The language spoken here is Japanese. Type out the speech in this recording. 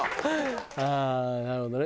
ああなるほどね。